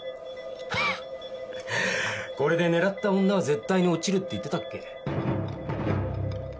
ハハッこれで狙った女は絶対に落ちるって言ってたっけ。